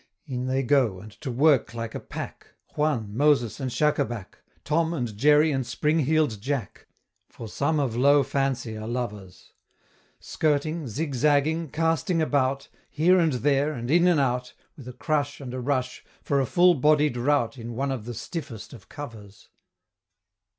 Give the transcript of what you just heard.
In they go, and to work like a pack, Juan, Moses, and Shacabac, Tom, and Jerry and Springheel'd Jack, For some of low Fancy are lovers Skirting, zigzagging, casting about, Here and there, and in and out, With a crush, and a rush, for a full bodied rout In one of the stiffest of covers.